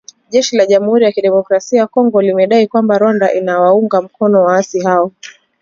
Jeshi la jamhuri ya kidemokrasia ya Kongo limedai kwamba Rwanda inawaunga mkono waasi hao